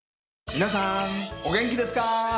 皆さんお元気ですか？